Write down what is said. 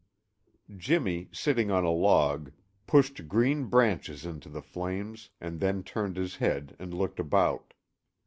Jimmy, sitting on a log, pushed green branches into the flames, and then turned his head and looked about.